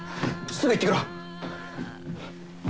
すぐ行ってくるわ！